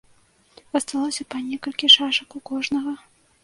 Асталося па некалькі шашак у кожнага.